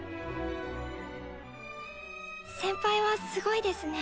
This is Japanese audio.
先輩はすごいですね。